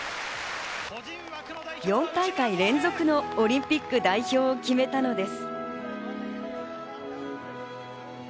４大会連続のオリンピック代表を決めたのです。